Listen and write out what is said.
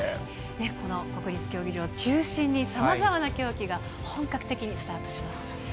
この国立競技場を中心に様々な競技が本格的にスタートします。